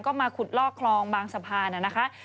ก็มาขุดลอกคลองบางสะพานนะคะ